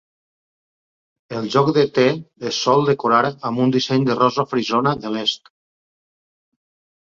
El joc de te es sol decorar amb un disseny de rosa frisona de l"est.